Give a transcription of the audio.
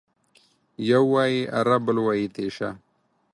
يو وايي اره ، بل وايي تېشه.